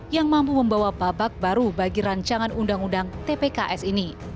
yang mampu membawa babak baru bagi rancangan undang undang tpks ini